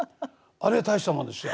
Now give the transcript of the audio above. あれ大したもんですよ。